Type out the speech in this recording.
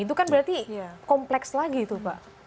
itu kan berarti kompleks lagi itu pak